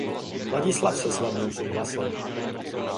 Ladislav se svatbou souhlasil.